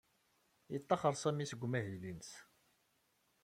Yettaxer Sami seg umahil-nnes.